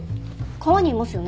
川にいますよね。